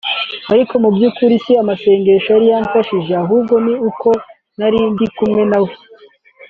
ariko mu by’ukuri si amasengesho yari yamfashije ahubwo ni uko nari ndi kumwe nawe